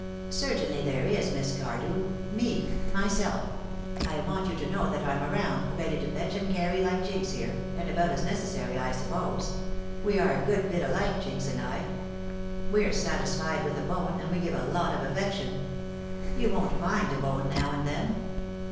"Certainly there is, Miss Cardew. Me. Myself. I want you to know that I'm around, ready to fetch and carry like Jinx here, and about as necessary, I suppose. We are a good bit alike, Jinx and I. We're satisfied with a bone, and we give a lot of affection. You won't mind a bone now and then?"